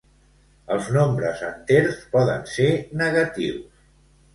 Els nombres enters poden ser negatius.